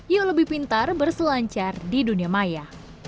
yang lebih pintar berselancar di dunia maya